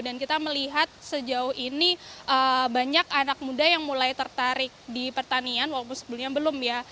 dan kita melihat sejauh ini banyak anak muda yang mulai tertarik di pertanian walaupun sebelumnya belum ya